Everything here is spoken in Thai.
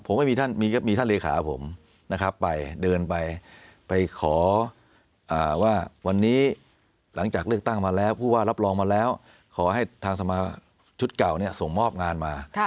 ผมก็มีท่านเลขาผมนะครับไปเดินไปไปขอว่าวันนี้หลังจากเลือกตั้งมาแล้วผู้ว่ารับรองมาแล้วขอให้ทางสมาชุดเก่าส่งมอบงานมา